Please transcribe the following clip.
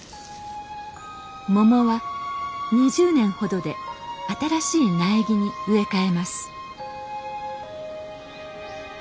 モモは２０年ほどで新しい苗木に植え替えます。